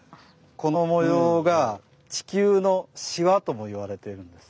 この模様が「地球のしわ」とも言われているんです。